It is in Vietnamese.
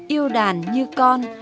yêu đàn như con